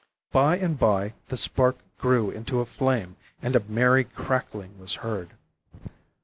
By and by the spark grew into a flame, and a merry crackling was heard.